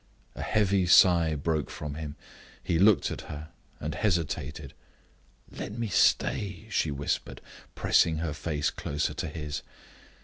A heavy sigh broke from him. He looked at her, and hesitated. "Let me stay," she whispered, pressing her face closer to his.